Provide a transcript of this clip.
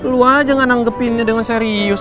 lo aja gak nanggepinnya dengan serius